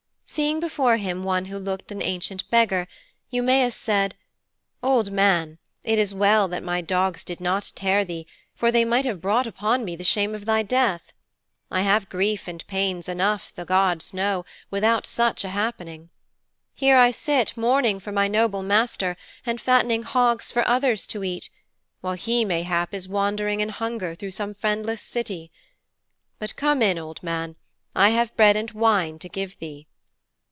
Seeing before him one who looked an ancient beggar, Eumæus said, 'Old man, it is well that my dogs did not tear thee, for they might have brought upon me the shame of thy death. I have grief and pains enough, the gods know, without such a happening. Here I sit, mourning for my noble master, and fattening hogs for others to eat, while he, mayhap, is wandering in hunger through some friendless city. But come in, old man. I have bread and wine to give thee.'